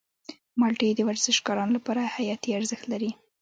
مالټې د ورزشکارانو لپاره حیاتي ارزښت لري.